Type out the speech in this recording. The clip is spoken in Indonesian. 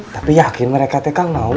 tapi yakin mereka teh kamu mau